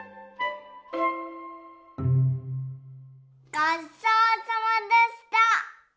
ごちそうさまでした。